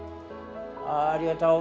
ああありがとう。